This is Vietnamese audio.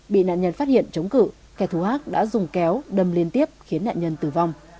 bị nạn nhân phát hiện chống cự kẻ thù ác đã dùng kéo đâm liên tiếp khiến nạn nhân tử vong